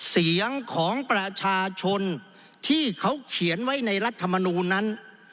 เสียงของประชาชนที่เขาเขียนไว้ในรัฐมนูลนั้น